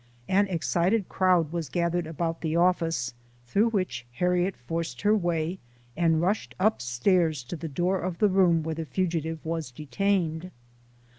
An excited crowd were gathered about the office, through which Harriet forced her way, and rushed up stairs to the door of the room where the fugi tive was detained.